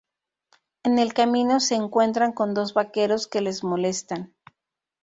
En el camino se encuentran con dos vaqueros que les molestan.